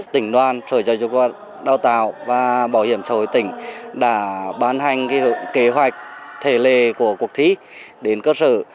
tỉnh đoàn sở giáo dục và đào tạo và bảo hiểm xã hội tỉnh đã ban hành kế hoạch thể lệ của cuộc thi đến cơ sở